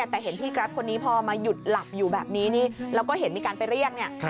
แต่เห็นพี่กราฟต์คนนี้พอมาหยุดหลับอยู่แบบนี้เราก็เห็นมีการไปเรียก